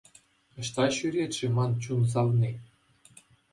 Ӑҫта ҫӳрет-ши ман чун савни?